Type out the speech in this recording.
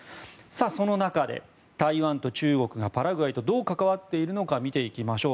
その中で、台湾と中国がパラグアイとどう関わっているのか見ていきましょう。